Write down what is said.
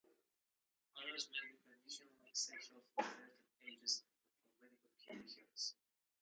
Others may be conditionally essential for certain ages or medical conditions.